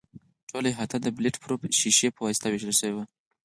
ټوله احاطه د بلټ پروف شیشې په واسطه وېشل شوې ده.